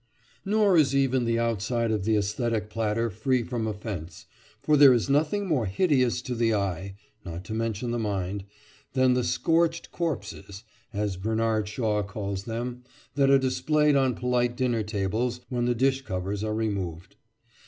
Nor is even the outside of the æsthetic platter free from offence, for there is nothing more hideous to the eye (not to mention the mind) than the "scorched corpses," as Bernard Shaw calls them, that are displayed on polite dinner tables when the dish covers are removed.